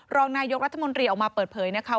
รองนายกรัฐมนตรีออกมาเปิดเผยนะคะ